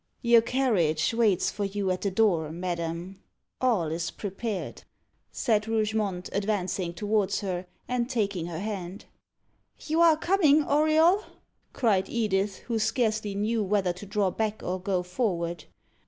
"Your carriage waits for you at the door, madam all is prepared," said Rougemont, advancing towards her, and taking her hand. "You are coming, Auriol?" cried Edith, who scarcely knew whether to draw back or go forward.